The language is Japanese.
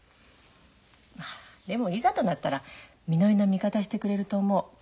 まあでもいざとなったらみのりの味方してくれると思う。